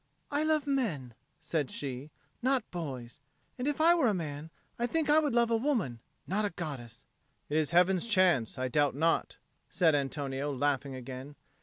"I love men," said she, "not boys. And if I were a man I think I would love a woman, not a goddess." "It is Heaven's chance, I doubt not," said Antonio, laughing again.